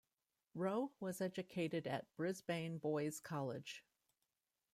Roe was educated at Brisbane Boys' College.